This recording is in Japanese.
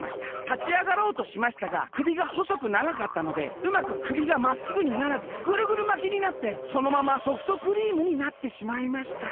たちあがろうとしましたがくびがほそくながかったのでうまくくびがまっすぐにならずぐるぐるまきになってそのままソフトクリームになってしまいました。